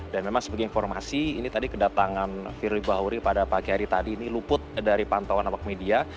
memang sebagai informasi ini tadi kedatangan firly bahuri pada pagi hari tadi ini luput dari pantauan awak media